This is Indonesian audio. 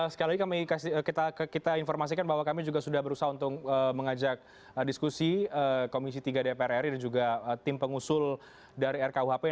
sekali lagi kita informasikan bahwa kami juga sudah berusaha untuk mengajak diskusi komisi tiga dpr ri dan juga tim pengusul dari rkuhp